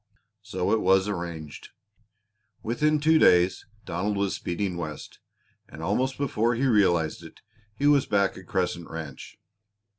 So it was arranged. Within two days Donald was speeding West, and almost before he realized it he was back at Crescent Ranch.